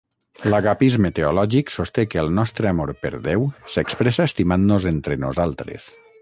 L'agapisme teològic sosté que el nostre amor per Déu s'expressa estimant-nos entre nosaltres.